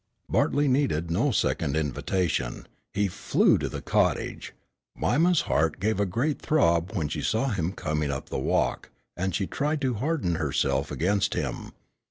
Bartley needed no second invitation. He flew to the cottage. Mima's heart gave a great throb when she saw him coming up the walk, and she tried to harden herself against him.